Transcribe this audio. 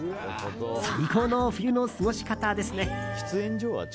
最高の冬の過ごし方ですね。